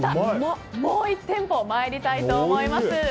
もう１店舗参りたいと思います。